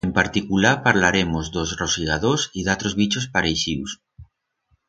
En particular parlaremos d'os rosigadors y d'atros bichos pareixius.